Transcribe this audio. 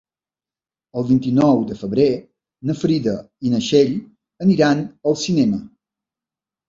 El vint-i-nou de febrer na Frida i na Txell aniran al cinema.